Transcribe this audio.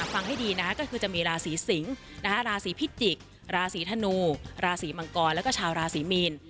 ฟังให้ดีนะก็คือจะมีราศีสิงศ์ราศีพิจิกษ์ราศีธนูราศีมังกรแล้วก็ชาวราศีมีน